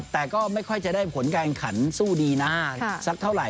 แต่ก็ไม่ค่อยจะได้ผลการขันสู้ดีนะสักเท่าไหร